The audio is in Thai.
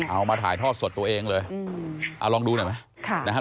เอามาถ่ายทอดสดตัวเองเลยลองดูหน่อยไหม